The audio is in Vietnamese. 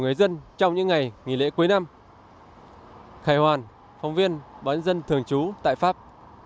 người dân trong những ngày nghỉ lễ cuối năm khai hoàn phóng viên bản dân thường trú tại pháp